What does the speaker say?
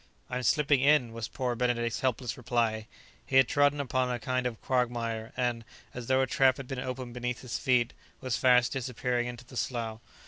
"I'm slipping in," was poor Benedict's helpless reply. He had trodden upon a kind of quagmire and, as though a trap had been opened beneath his feet, was fast disappearing into the slough.